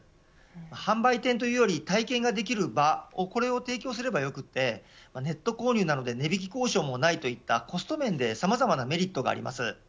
販売店というより体験ができる場を提供すればよくてネット購入なので値引き交渉もないといったコスト面でさまざまなメリットがあります。